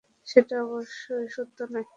সেটা অবশ্য সত্য নয়!